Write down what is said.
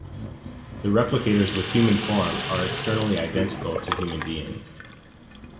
The replicators with human form are externally identical to human beings.